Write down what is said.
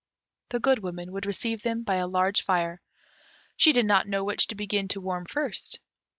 The Good Woman would receive them by a large fire; she did not know which to begin to warm first.